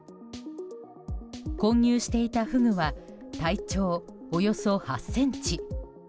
混入していたフグは体長およそ８ｃｍ。